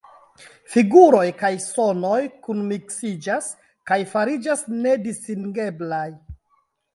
Figuroj kaj sonoj kunmiksiĝas kaj fariĝas nedistingeblaj.